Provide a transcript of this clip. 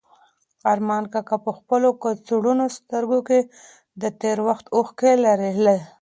ارمان کاکا په خپلو کڅوړنو سترګو کې د تېر وخت اوښکې لرلې.